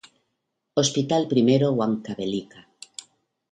Hospital I Huancavelica.